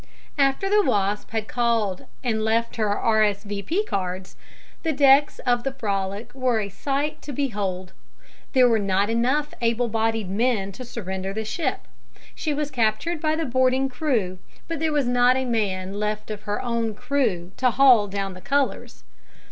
After the Wasp had called and left her R. S. V. P. cards, the decks of the Frolic were a sight to behold. There were not enough able bodied men to surrender the ship. She was captured by the boarding crew, but there was not a man left of her own crew to haul down the colors.